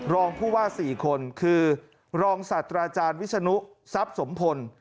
รองผู้ว่าสี่คนคือรองสัตว์อาจารย์วิชนุซับสมพล